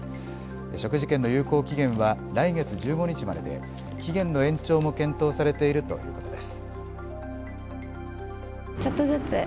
食事券の有効期限は来月１５日までで期限の延長も検討されているということです。